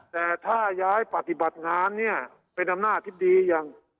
แต่ถ้าย้ายปฏิบัติงานเนี่ยเป็นอำนาจที่ดีอย่าง